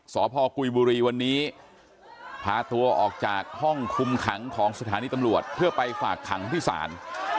สพกุยบุรีวันนี้พาตัวออกจากห้องคุมขังของสถานีตำรวจเพื่อไปฝากขังที่ศาล